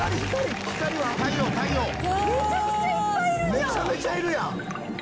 「めちゃめちゃいるやん！」